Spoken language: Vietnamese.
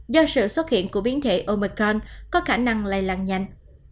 do sự xuất hiện của biến thể omercron có khả năng lây lan nhanh